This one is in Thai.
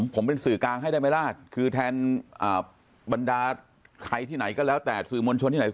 ผมเป็นสื่อกลางให้ได้ไหมล่ะคือแทนบรรดาใครที่ไหนก็แล้วแต่สื่อมวลชนที่ไหน